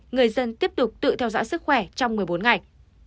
người dân tiếp tục tự theo dõi sức khỏe trong một mươi bốn ngày